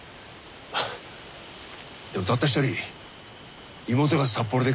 でもたった一人妹が札幌で暮らしています。